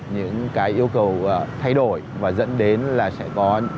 những cái yêu cầu thay đổi và dẫn đến là sẽ có những